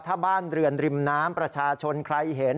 ถ้าบ้านเรือนริมน้ำประชาชนใครเห็น